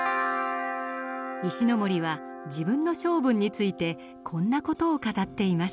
石森は自分の性分についてこんな事を語っていました。